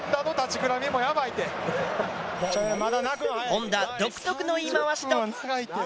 本田独特の言い回しと。